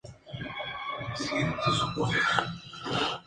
Se encuentra en Bután, China, India, Birmania y Nepal.